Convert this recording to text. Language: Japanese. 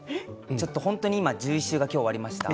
ちょっと本当に今１１週が今日終わりました。